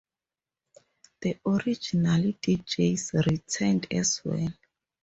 The original deejays returned, as well.